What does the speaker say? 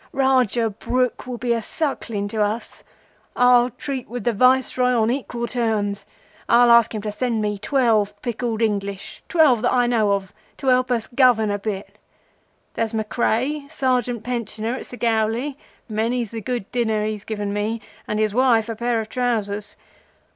Rajah Brooke will be a suckling to us. I'll treat with the Viceroy on equal terms. I'll ask him to send me twelve picked English—twelve that I know of—to help us govern a bit. There's Mackray, Sergeant pensioner at Segowli—many's the good dinner he's given me, and his wife a pair of trousers.